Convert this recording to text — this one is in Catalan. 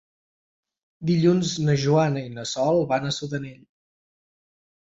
Dilluns na Joana i na Sol van a Sudanell.